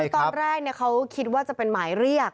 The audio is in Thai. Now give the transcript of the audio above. คือตอนแรกเขาคิดว่าจะเป็นหมายเรียก